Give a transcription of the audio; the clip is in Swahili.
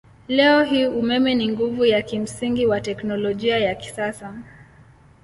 Leo hii umeme ni nguvu ya kimsingi wa teknolojia ya kisasa.